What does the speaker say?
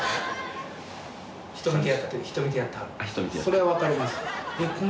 それはわかります。